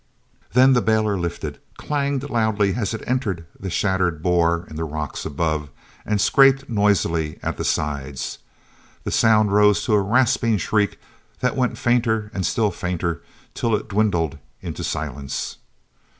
Then the bailer lifted, clanged loudly as it entered the shattered bore in the rocks above, and scraped noisily at the sides. The sound rose to a rasping shriek that went fainter and still fainter till it dwindled into silence.